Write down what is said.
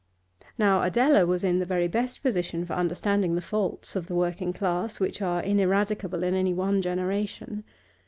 Now Adela was in the very best position for understanding those faults of the working class which are ineradicable in any one generation.